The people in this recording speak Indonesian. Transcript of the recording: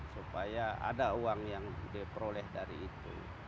supaya ada uang yang diperoleh dari itu